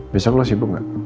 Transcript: besok lo sibuk gak